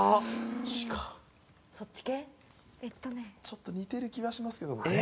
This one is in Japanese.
ちょっと似てる気はしますけども。